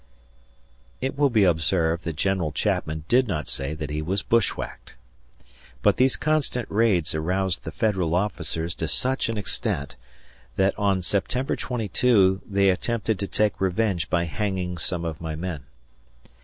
It will be observed that General Chapman did not say that he was bushwhacked. But these constant raids aroused the Federal officers to such an extent that on September 22 they attempted to take revenge by hanging some of my men.